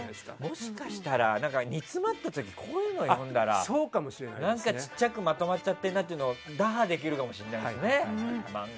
もしかしたら煮詰まった時こういうのを読んだら小さくまとまっちゃっているなというのを打破できるかもしれないですよね。